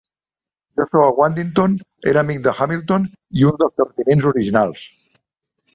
Joshua Waddington era amic de Hamilton i un dels terratinents originals.